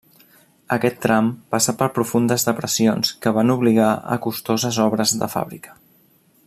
Aquest tram passa per profundes depressions que van obligar a costoses obres de fàbrica.